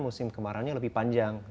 musim kemarau lebih panjang